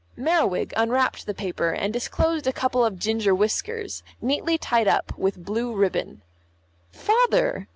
Merriwig unwrapped the paper, and disclosed a couple of ginger whiskers, neatly tied up with blue ribbon. "Father!"